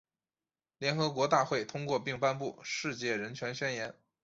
联合国大会通过并颁布《世界人权宣言》。